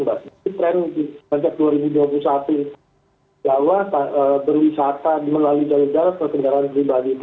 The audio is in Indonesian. jadi tren sepanjang dua ribu dua puluh satu jawa berwisata di melalui jalan jalan perkembangan pribadi itu